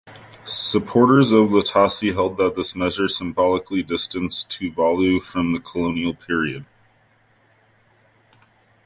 Supporters of Latasi held that this measure symbolically distanced Tuvalu from the colonial period.